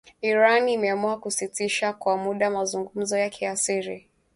Iran imeamua kusitisha kwa muda mazungumzo yake ya siri